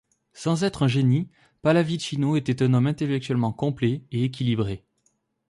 Sans être un génie, Pallavicino était un homme intellectuellement complet et équilibré.